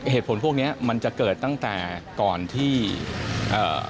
เหตุผลพวกเนี้ยมันจะเกิดตั้งแต่ก่อนที่เอ่อ